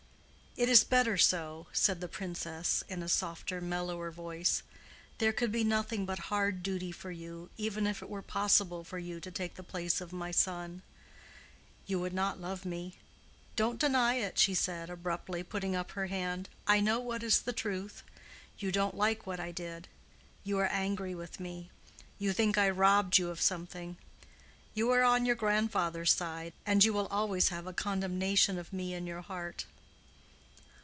"It is better so," said the Princess, in a softer, mellower voice. "There could be nothing but hard duty for you, even if it were possible for you to take the place of my son. You would not love me. Don't deny it," she said, abruptly, putting up her hand. "I know what is the truth. You don't like what I did. You are angry with me. You think I robbed you of something. You are on your grandfather's side, and you will always have a condemnation of me in your heart."